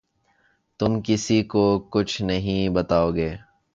تم کسی کو کچھ نہیں بتاؤ گے